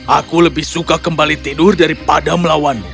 aku lebih suka kembali tidur daripada melawanmu